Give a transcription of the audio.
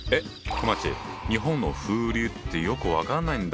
こまっち日本の風流ってよく分かんないんだよ。